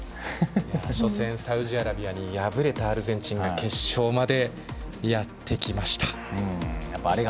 初戦、サウジアラビアに敗れたアルゼンチンが決勝までやってきました。